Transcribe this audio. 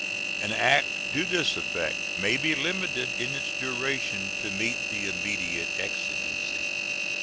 An act to this effect may be limited in its duration to meet the immediate exigency.